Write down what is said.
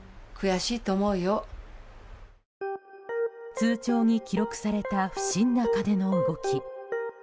通帳に記録された不審な金の動き。